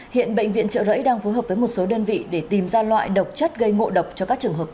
hiện bệnh viện trợ rẫy đang phối hợp với một số đơn vị để tìm ra loại độc chất gây ngộ độc cho các trường hợp